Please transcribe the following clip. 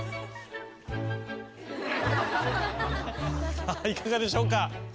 さあいかがでしょうか？